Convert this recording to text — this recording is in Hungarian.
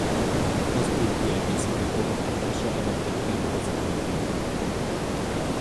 Az új kiegészítő fogadtatása alapvetően pozitív volt.